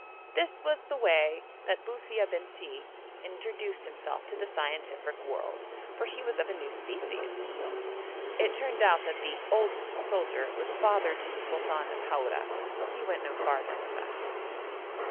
This was the way that Buthia Bentii introduced himself to the scientific world, for he was of a new species. It turned out that the 'oldest soldier' was father to the sultan of Haura. He went no farther with us.